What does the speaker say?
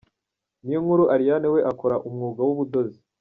Niyonkuru Ariane we akora umwuga w’ubudozi.